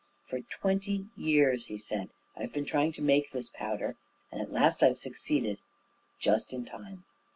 "For twenty years," he said, "I've been trying to make this powder; and at last I've succeeded just in time."